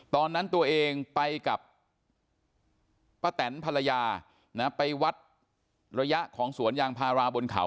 ตอนนั้นตัวเองไปกับป้าแตนภรรยานะไปวัดระยะของสวนยางพาราบนเขา